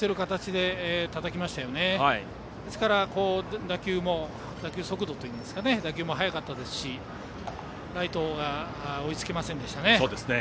ですから、打球速度といいますかそれも速かったですしライトが追いつけませんでしたね。